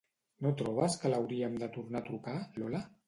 ¿No trobes que l'hauríem de tornar a trucar, Lola?